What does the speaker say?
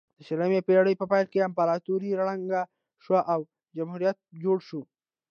د شلمې پیړۍ په پیل کې امپراتوري ړنګه شوه او جمهوریت جوړ شو.